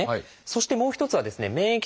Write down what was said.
そしてもう一つはですね免疫